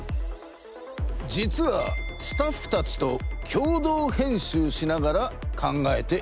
実はスタッフたちと共同編集しながら考えているのだ。